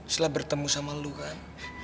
setelah bertemu sama lu kan